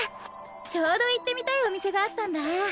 ちょうど行ってみたいお店があったんだぁ。